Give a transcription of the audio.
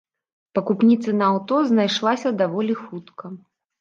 Пакупніца на аўто знайшлася даволі хутка.